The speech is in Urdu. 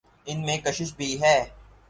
ان میں کشش بھی ہے۔